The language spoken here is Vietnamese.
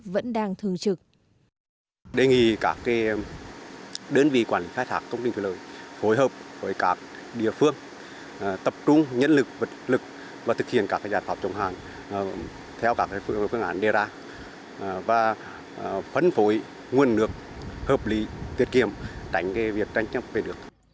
vẫn đang thường trực